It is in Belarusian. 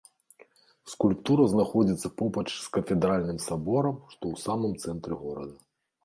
Скульптура знаходзіцца побач з кафедральным саборам, што ў самым цэнтры горада.